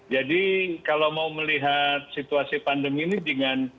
jadi kalau mau melihat situasi pandemi ini dengan